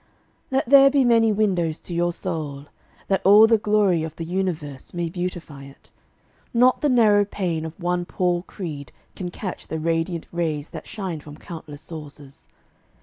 Let there be many windows to your soul, That all the glory of the universe May beautify it. Not the narrow pane Of one poor creed can catch the radiant rays That shine from countless sources.